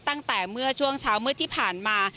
ตั้งแต่เมื่อช่วงเช้ามืดที่ผ่านมา